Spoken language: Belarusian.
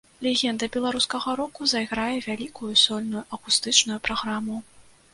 Легенда беларускага року зайграе вялікую сольную акустычную праграму.